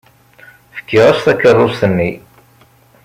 Fkiɣ-as takeṛṛust-nni.